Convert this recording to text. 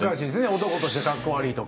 男としてカッコ悪いとか。